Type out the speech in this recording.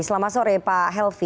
selamat sore pak helvi